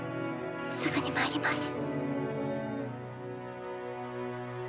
すぐにまいります。